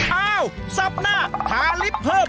เอ้าสอบหน้าทาลิปเพิ่ม